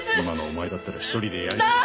今のお前だったら一人でやれ。